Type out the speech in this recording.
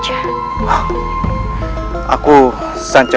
apa dengan athiel